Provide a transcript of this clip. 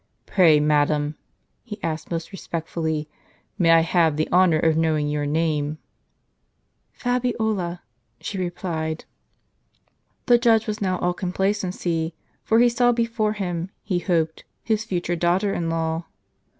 Pray, madam," he asked most respectfully, " may I have the honor of knowing your name ?"" Fabiola," she replied. The judge was now all complacency, for he saw before him, he hoped, his future daughter in law.